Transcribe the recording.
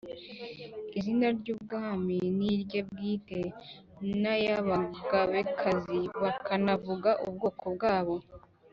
izina ry'ubwamin'irye bwite) n' ay'abagabekazi bakanavuga ubwoko bw'abo